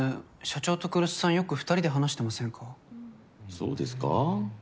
そうですか？